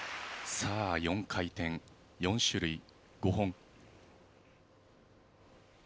さあ４回転４種類５本。